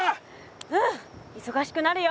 うんいそがしくなるよ。